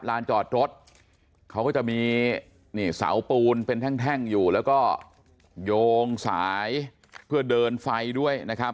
ลานจอดรถเขาก็จะมีนี่เสาปูนเป็นแท่งอยู่แล้วก็โยงสายเพื่อเดินไฟด้วยนะครับ